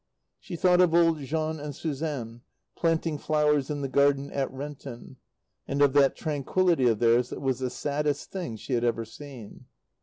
She thought of old Jean and Suzanne, planting flowers in the garden at Renton, and of that tranquillity of theirs that was the saddest thing she had ever seen.